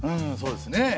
そうですね。